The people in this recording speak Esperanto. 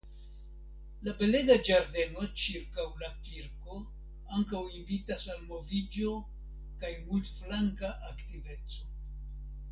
La belega ĝardeno ĉirkaŭ la kirko ankaŭ invitas al moviĝo kaj multflanka aktiveco.